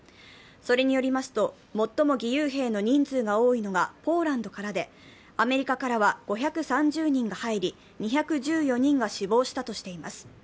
それによりますと、最も義勇兵の人数が多いのがポーランドからでアメリカからは５３０人が入り、２１４人が死亡したとしています。